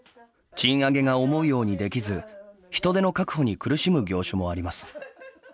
賃上げが思うようにできず人手の確保に苦しむ業種もあります。